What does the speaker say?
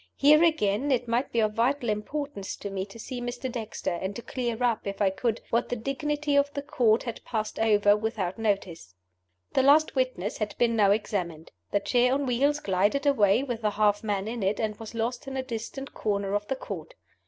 Here, again, it might be of vital importance to me to see Mr. Dexter, and to clear up, if I could, what the dignity of the Court had passed over without notice. The last witness had been now examined. The chair on wheels glided away with the half man in it, and was lost in a distant corner of the Court.